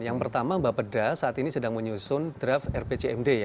yang pertama mbak peda saat ini sedang menyusun draft rpcmd ya